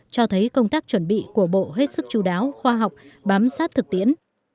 cho thấy công tác chuẩn bị của bộ hết sức chú đáo khoa học bám sát thực tiễn